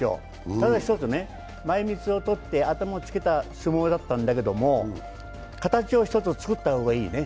ただ一つ、前みつをとって頭をつけた住もうだったんだけれども、形を一つ作った方がいいね。